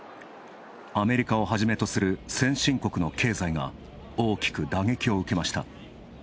アメリカをはじめとする先進国の経済が大きく打撃を受けました。